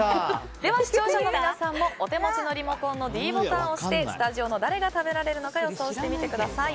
では視聴者の皆さんもお手持ちのリモコンのｄボタンを押してスタジオの誰が食べられるのか予想してみてください。